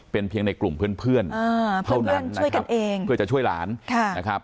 เป็นเพียงในกลุ่มเพื่อนเท่านั้นช่วยกันเองเพื่อจะช่วยหลานนะครับ